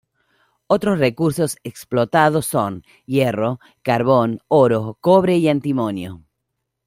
Otros recursos explotados son: hierro, carbón, oro, cobre y antimonio.